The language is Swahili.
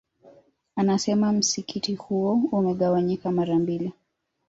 Anasema msikiti huo umegawanyika mara mbili